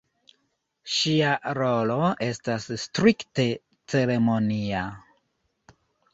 Ŝia rolo estas strikte ceremonia.